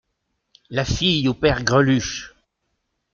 La fille au père Greluche !